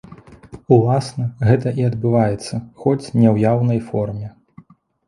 Уласна, гэта і адбываецца, хоць не ў яўнай форме.